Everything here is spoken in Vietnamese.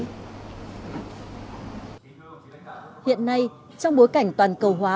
hiện nay trong bối cảnh toàn cầu hóa